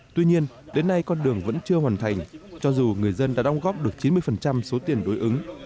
tuy nhiên đến nay con đường vẫn chưa hoàn thành cho dù người dân đã đóng góp được chín mươi số tiền đối ứng